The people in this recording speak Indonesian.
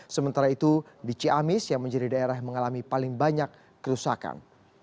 sementara itu di ciamis yang menjadi daerah yang mengalami paling banyak kerusakan